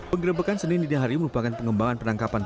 pengerbekan senin di hari merupakan pengembangan penangkapan